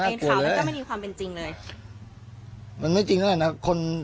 นักข่าวมันก็ไม่มีความเป็นจริงเลยมันไม่จริงนั่นแหละคน